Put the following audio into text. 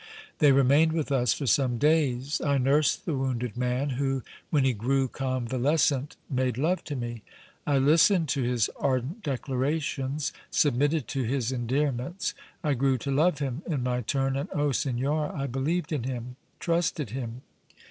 They remained with us for some days. I nursed the wounded man, who, when he grew convalescent, made love to me. I listened to his ardent declarations, submitted to his endearments. I grew to love him in my turn, and, oh! signora, I believed in him, trusted him.